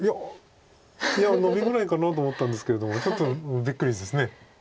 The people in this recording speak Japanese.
いやノビぐらいかなと思ったんですけれどもちょっとびっくりです。